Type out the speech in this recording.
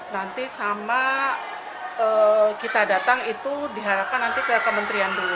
nanti sama kita datang itu diharapkan ke kementrian dulu